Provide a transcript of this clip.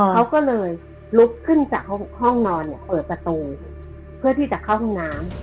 เขาก็เลยลุกขึ้นจากห้องนอนเนี่ยเปิดประตูเพื่อที่จะเข้าห้องน้ำ